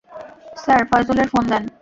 Sir, ফয়জলের phone দেন।